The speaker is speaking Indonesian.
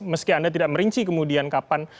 meski anda tidak merinci kemudian kapan